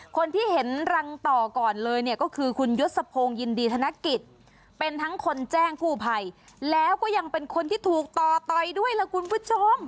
คนที่เห็นรังต่อก่อนเลยเนี่ยก็คือคุณยศพงยินดีธนกิจเป็นทั้งคนแจ้งกู้ภัยแล้วก็ยังเป็นคนที่ถูกต่อต่อยด้วยล่ะคุณผู้ชม